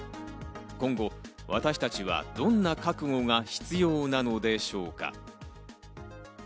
今後私たちはどんな覚悟が必要なのでしょうか。